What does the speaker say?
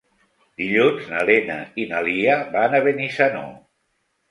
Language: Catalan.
Dilluns na Lena i na Lia van a Benissanó.